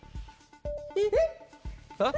えっ？